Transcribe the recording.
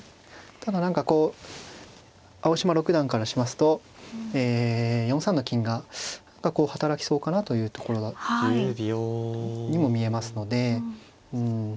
ただ何かこう青嶋六段からしますと４三の金が何かこう働きそうかなというところにも見えますので。